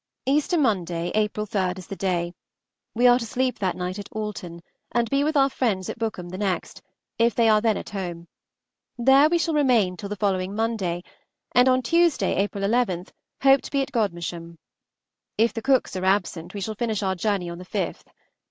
Easter Monday, April 3, is the day; we are to sleep that night at Alton, and be with our friends at Bookham the next, if they are then at home; there we remain till the following Monday, and on Tuesday, April 11, hope to be at Godmersham. If the Cookes are absent, we shall finish our journey on the 5th.